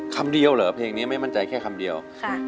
คำเดียวเหรอเพลงนี้ไม่มั่นใจแค่คำเดียว